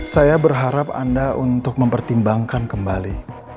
saya berharap anda untuk mempertimbangkan kembali